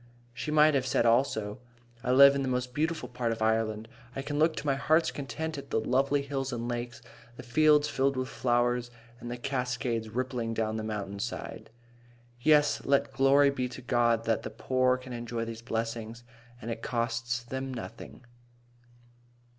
She might have said, also: "I live in the most beautiful part of beautiful Ireland. I can look to my heart's content at the lovely hills and lakes, the fields filled with flowers, and the cascades rippling down the mountainsides." Yes, let glory be to God that the poor can enjoy these blessings, and it costs them nothing.